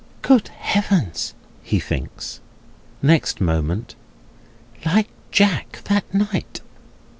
"Good Heaven!" he thinks, next moment. "Like Jack that night!"